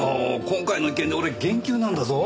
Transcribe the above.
今回の件で俺減給なんだぞ。